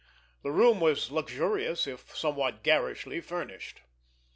The room was luxuriously, if somewhat garishly furnished.